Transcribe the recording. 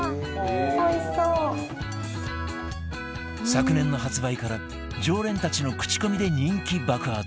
昨年の発売から常連たちの口コミで人気爆発